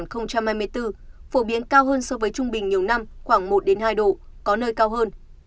phổ biến cao hơn so với trung bình nhiều năm khoảng một hai độ có nơi cao hơn